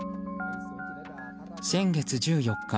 先月１４日